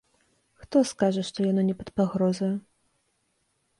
Хто скажа, што яно не пад пагрозаю?